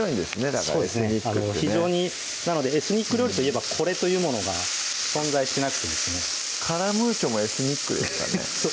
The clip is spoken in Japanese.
だからエスニックってねなのでエスニック料理といえばこれというものが存在しなくて「カラムーチョ」もエスニックですかね？